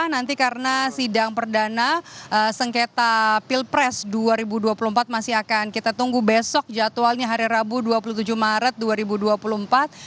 nanti karena sidang perdana sengketa pilpres dua ribu dua puluh empat masih akan kita tunggu besok jadwalnya hari rabu dua puluh tujuh maret dua ribu dua puluh empat